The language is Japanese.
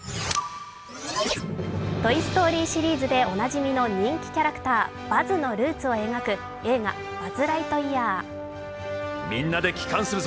「トイ・ストーリー」シリーズでおなじみの人気キャラクターバズのルーツを描く映画「バズ・ライトイヤー」。